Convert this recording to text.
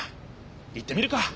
行ってみるか。